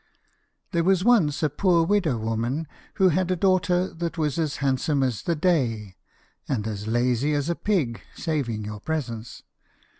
There was once a poor widow woman, who had a daughter that was as handsome as the day, and as lazy as a pig, saving your presence.